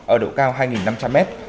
ở độ cao hai năm trăm linh m